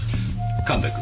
神戸君。